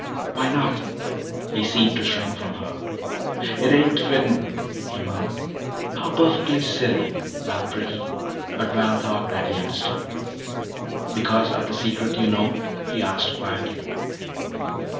"Why not?" He seemed to shrink from her. "It ain't fitten," he murmured. "How perfectly silly," laughed Ricky. But Val thought that he understood. "Because of the secret you know?" he asked quietly.